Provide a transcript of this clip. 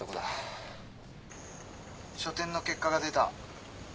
書展の結果が出た。